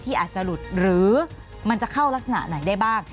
อาจจะหลุดหรือมันจะเข้ารักษณะไหนได้บ้าง